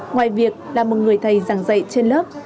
ngoài việc là một người thầy giảng dạy trên lớp